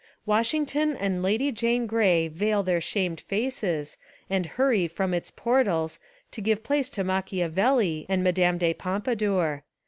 Washington and Lady Jane Grey veil their shamed faces and hurry from its portals to give place to Machiavelli and Madame de Pom padour.